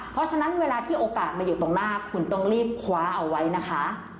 เพราะฉะนั้นเวลาที่โอกาสมาอยู่ตรงหน้าคุณต้องรีบคว้าเอาไว้นะคะ